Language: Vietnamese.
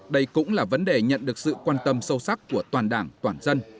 đây cũng là vấn đề nhận được sự quan tâm sâu sắc của toàn đảng toàn dân